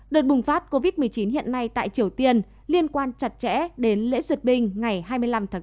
đợt bùng phát covid một mươi chín hiện nay tại triều tiên liên quan chặt chẽ đến lễ duyệt binh ngày hai mươi năm tháng bốn